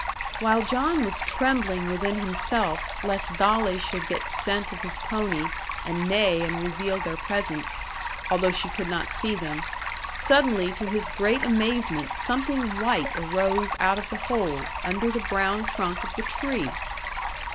While John was trembling within himself, lest Dolly should get scent of his pony, and neigh and reveal their presence, although she could not see them, suddenly to his great amazement something white arose out of the hole, under the brown trunk of the tree.